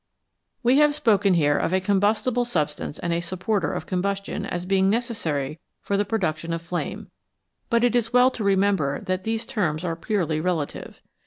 We have spoken here of a com bustible substance and a supporter of combustion as being necessary for the production of flame, but it is well to remember that these terms are purely relative.